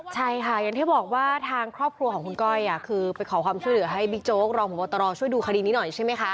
ใช่ค่ะอย่างที่บอกว่าทางครอบครัวของคุณก้อยคือไปขอความช่วยเหลือให้บิ๊กโจ๊กรองพบตรช่วยดูคดีนี้หน่อยใช่ไหมคะ